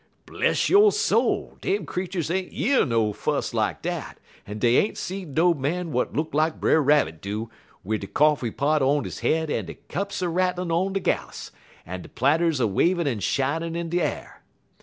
"Bless yo' soul, dem creeturs ain't year no fuss lak dat, en dey ain't seed no man w'at look lak Brer Rabbit do, wid de coffee pot on he head, en de cups a rattlin' on he gallus, en de platters a wavin' en a shinin' in de a'r.